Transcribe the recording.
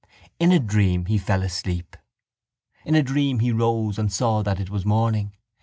In a dream he fell asleep. In a dream he rose and saw that it was morning.